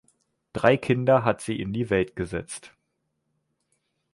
Drei Kinder hat sie in die Welt gesetzt.